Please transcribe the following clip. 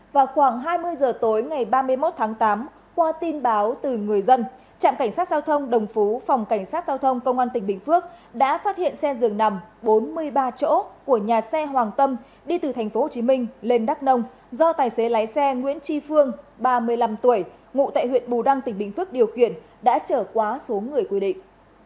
vào khoảng hai mươi h tối ngày ba mươi một tháng tám qua tin báo từ người dân trạm cảnh sát giao thông đồng phú phòng cảnh sát giao thông công an tỉnh bình phước đã phát hiện xe dường nằm bốn mươi ba chỗ của nhà xe hoàng tâm đi từ tp hcm lên đắk nông do tài xế lái xe nguyễn tri phương ba mươi năm tuổi ngụ tại huyện bù đăng tỉnh bình phước điều khiển đã trở quá số người quy định